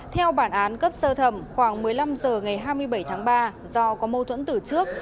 theo bản án cấp sơ thẩm khoảng một mươi năm h ngày hai mươi bảy tháng ba do có mâu thuẫn từ trước